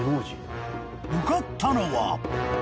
［向かったのは］